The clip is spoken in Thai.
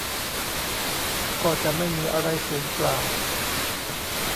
ก็จะไม่มีอะไรสูญเปล่า